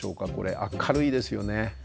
明るいですよね。